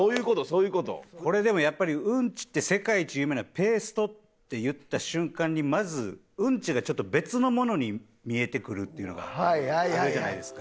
これでもやっぱり「うんちって世界一有名なペースト」って言った瞬間にまずうんちがちょっと別のものに見えてくるっていうのがあるじゃないですか。